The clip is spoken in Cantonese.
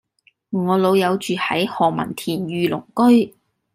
我老友住喺何文田御龍居